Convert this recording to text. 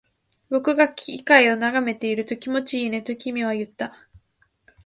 僕が機械を眺めていると、気持ちいいねと君は言った